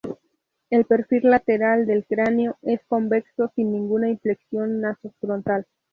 El perfil lateral del cráneo es convexo, sin ninguna inflexión naso-frontal.